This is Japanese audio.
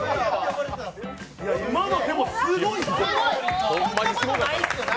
今の、でもすごいよ。